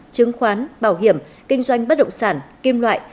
chứng khoán bảo hiểm kinh doanh bất động sản kim loại